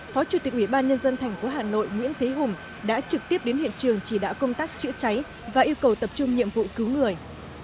phó chủ tịch ubnd tp hà nội nguyễn thế hùng đã trực tiếp đến hiện trường chỉ đạo công tác chữa cháy và yêu cầu tập trung nhiệm vụ cứu người